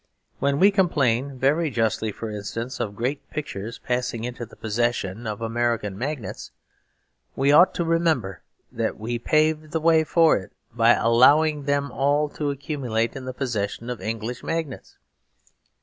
When we complain, very justly, for instance, of great pictures passing into the possession of American magnates, we ought to remember that we paved the way for it by allowing them all to accumulate in the possession of English magnates.